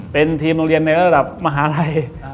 เป็นทีมโรงเรียนในระดับมหาลัย